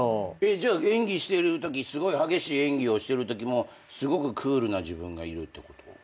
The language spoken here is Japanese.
じゃあすごい激しい演技をしてるときもすごくクールな自分がいるってこと？